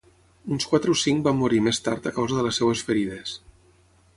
Uns quatre o cinc van morir més tard a causa de les seves ferides.